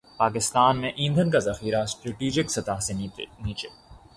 پاکستان میں ایندھن کا ذخیرہ اسٹریٹجک سطح سے نیچے